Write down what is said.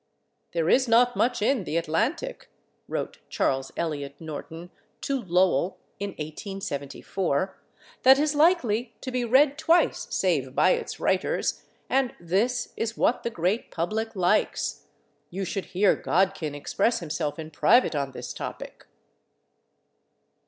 "There is not much in the Atlantic," wrote Charles Eliot Norton to Lowell in 1874, "that is likely to be read twice save by its writers, and this is what the great public likes.... You should hear Godkin express himself in private on this topic."